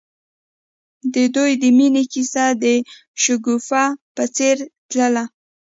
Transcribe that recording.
د دوی د مینې کیسه د شګوفه په څېر تلله.